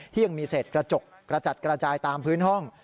ยังมีเศษกระจกกระจัดกระจายตามพื้นห้อง